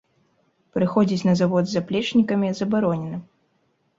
Прыходзіць на завод з заплечнікамі забаронена.